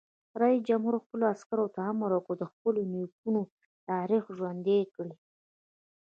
رئیس جمهور خپلو عسکرو ته امر وکړ؛ د خپلو نیکونو تاریخ ژوندی کړئ!